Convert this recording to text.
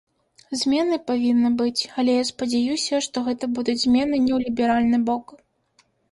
Змены павінны быць, але я спадзяюся, што гэта будуць змены не ў ліберальны бок.